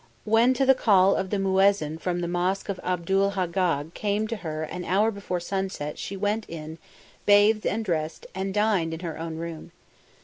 When the call of the Muezzin from the Mosque of Abou'l Hâggag came to her an hour before sunset she went in, bathed and dressed, and dined in her own room.